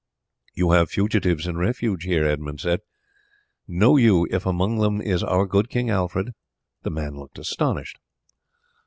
"You have fugitives in refuge here," Edmund said. "Know you if among them is our good King Alfred?" The man looked astonished.